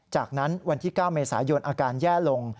จากนั้นวันที่๙เมษายนอาการแย่ลง